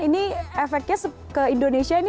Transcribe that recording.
ini efeknya ke indonesia gitu kan ya